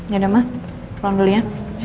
gak ada mah pulang dulu ya